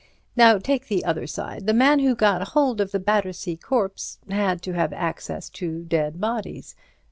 Now take the other side. The man who got hold of the Battersea corpse had to have access to dead bodies.